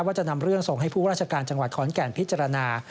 ว่าจะนำเรื่องส่งให้ผู้ราชการจังหวัดขอนแก่นพิจารณา